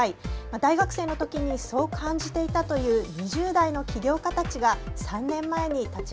大学生の時にそう感じていたという２０代の起業家たちがはい。